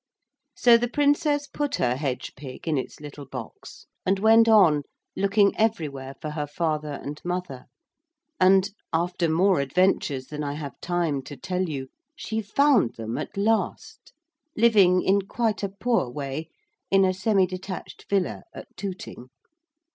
So the Princess put her hedge pig in its little box and went on, looking everywhere for her father and mother, and, after more adventures than I have time to tell you, she found them at last, living in quite a poor way in a semi detached villa at Tooting.